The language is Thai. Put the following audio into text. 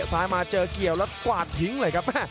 มาเจอเกี่ยวแล้วกวาดทิ้งเลยครับ